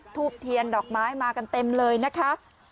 ทูบเทียนดอกไม้มากันเต็มเลยนะคะ